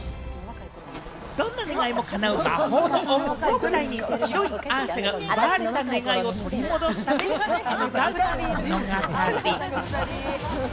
どんな願いもかなう魔法の王国を舞台にヒロイン・アーシャが奪われた願いを取り戻すために立ち向かう物語。